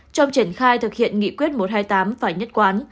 trong triển khai thực hiện nghị quyết một trăm hai mươi tám phải nhất quán